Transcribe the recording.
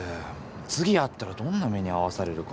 次会ったらどんな目に遭わされるか。